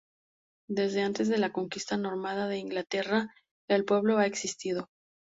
Desde antes de la Conquista normanda de Inglaterra, el pueblo ha existido.